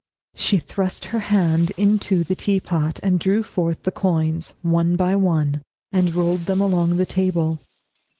She thrust her hand into the teapot and drew forth the coins, one by one, and rolled them along the table.